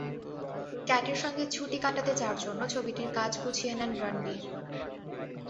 ক্যাটের সঙ্গে ছুটি কাটাতে যাওয়ার জন্য ছবিটির কাজ গুছিয়ে নেন রণবীর।